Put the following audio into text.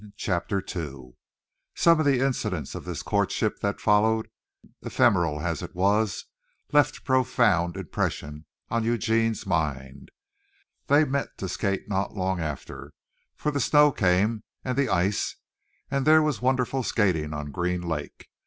CHAPTER II Some of the incidents of this courtship that followed, ephemeral as it was, left a profound impression on Eugene's mind. They met to skate not long after, for the snow came and the ice and there was wonderful skating on Green Lake.